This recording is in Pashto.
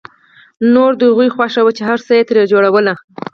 نوره د هغوی خوښه وه چې هر څه يې ترې جوړول.